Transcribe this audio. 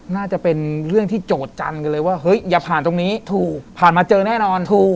น่าจะเป็นเรื่องที่โจทย์จันทร์กันเลยว่าเฮ้ยอย่าผ่านตรงนี้ถูกผ่านมาเจอแน่นอนถูก